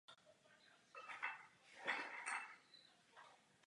Homer je zklamaný.